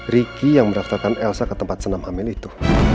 riki yang mendaftarkan elsa ke tempat senam amen itu